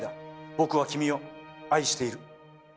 僕は君を愛している。